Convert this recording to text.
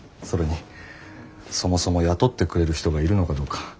それにそもそも雇ってくれる人がいるのかどうか。